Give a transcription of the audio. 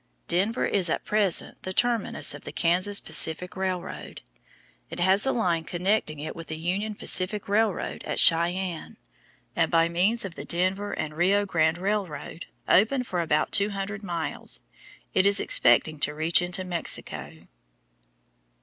Denver is at present the terminus of the Kansas Pacific Railroad. It has a line connecting it with the Union Pacific Railroad at Cheyenne, and by means of the Denver and Rio Grande Railroad, open for about 200 miles, it is expecting to reach into Mexico.